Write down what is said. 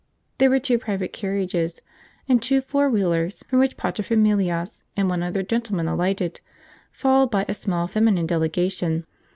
There were two private carriages and two four wheelers, from which paterfamilias and one other gentleman alighted, followed by a small feminine delegation.